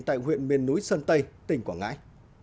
tại huyện miền núi sơn tây tỉnh quảng ngãi